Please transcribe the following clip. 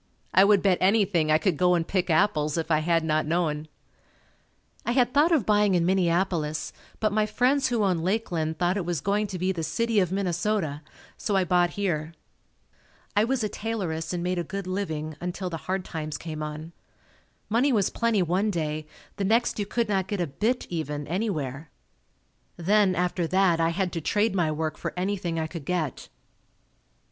I would bet anything I could go and pick apples if I had not known. I had thought of buying in Minneapolis, but my friends who owned Lakeland thought it was going to be the city of Minnesota, so I bought here. I was a tailoress and made a good living until the hard times came on. Money was plenty one day. The next you could not get a "bit" even, anywhere. Then, after that, I had to trade my work for anything I could get.